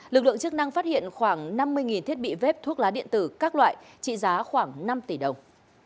lực lượng chức năng phát hiện khoảng năm mươi thiết bị vếp thuốc lá điện tử các loại trị giá khoảng năm tỷ đồng